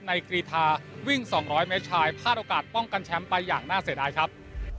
กรีธาวิ่ง๒๐๐เมตรชายพลาดโอกาสป้องกันแชมป์ไปอย่างน่าเสียดายครับ